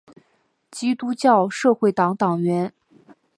基督教社会党党员。